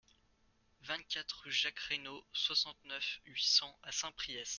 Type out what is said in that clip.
vingt-quatre rue Jacques Reynaud, soixante-neuf, huit cents à Saint-Priest